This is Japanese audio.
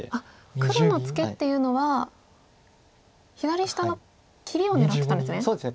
黒のツケっていうのは左下の切りを狙ってたんですね。